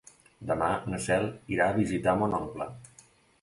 Demà na Cel irà a visitar mon oncle.